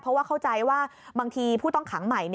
เพราะว่าเข้าใจว่าบางทีผู้ต้องขังใหม่